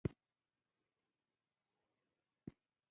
همدا بهرنی جاسوسي جال دی چې د ارګ د حاکمیت پرېکړه کوي.